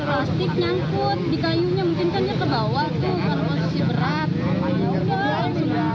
mungkin kan dia kebawah tuh karena posisi berat